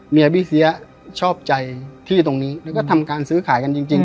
พี่เสียชอบใจที่ตรงนี้แล้วก็ทำการซื้อขายกันจริง